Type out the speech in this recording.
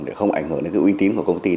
để không ảnh hưởng đến cái uy tín của công ty